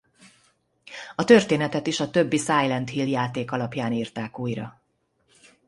A történetet is a többi Silent Hill játék alapján írták újra.